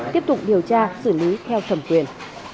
tiếp tục điều tra xử lý theo thẩm quyền